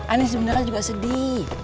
ana sebenarnya juga sedih